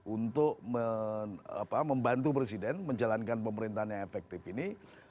untuk membantu presiden menjalankan pemerintahan yang efektif ini